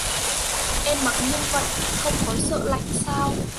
Em mặc như vậy không có sợ lạnh sao